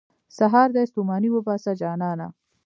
سهار دې ستوماني وباسه، جانانه.